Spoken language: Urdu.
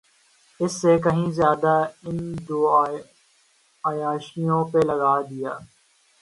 اس سے کہیں زیادہ ان دو عیاشیوں پہ لگا دیا گیا۔